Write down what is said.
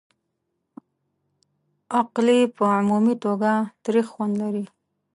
القلي په عمومي توګه تریخ خوند لري.